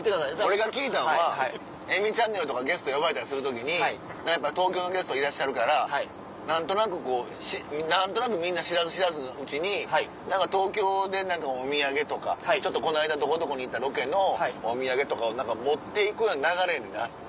俺が聞いたんは『えみちゃんねる』とかゲスト呼ばれたりする時にやっぱ東京のゲストいらっしゃるから何となくこう何となくみんな知らず知らずのうちに何か東京でお土産とかこの間どこどこに行ったロケのお土産とかを持っていくような流れになって。